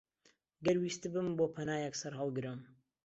گەر ویستبم بۆ پەنایەک سەرهەڵگرم،